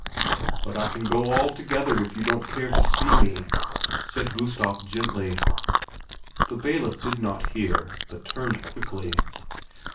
"But I can go altogether if you don't care to see me," said Gustav gently. The bailiff did not hear, but turned quickly.